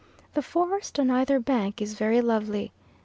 The forest on either bank is very lovely.